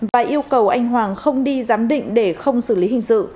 và yêu cầu anh hoàng không đi giám định để khởi